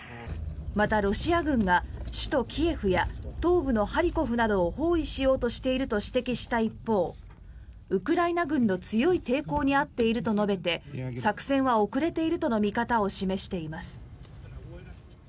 また、ロシア軍が首都キエフや東部のハリコフなどを包囲しようとしていると指摘した一方ウクライナ軍の強い抵抗に遭っていると述べて作戦は遅れているとの見方を示しています。